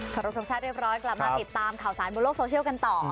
รบทรงชาติเรียบร้อยกลับมาติดตามข่าวสารบนโลกโซเชียลกันต่อ